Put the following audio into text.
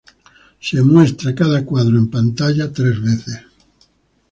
Cada cuadro es mostrado en pantalla tres veces.